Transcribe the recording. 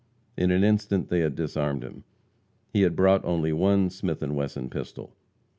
In an instant they had disarmed him; he had brought only one Smith & Wesson pistol.